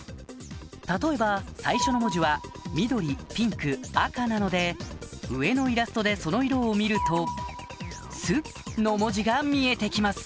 例えば最初の文字は緑ピンク赤なので上のイラストでその色を見ると「ス」の文字が見えてきます